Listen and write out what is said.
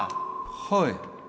はい。